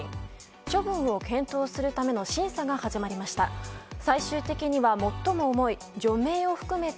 処分を検討するための審査が始まりました。